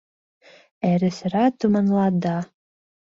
Эре сырат, туманлат да